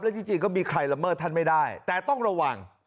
จริงก็มีใครละเมิดท่านไม่ได้แต่ต้องระวัง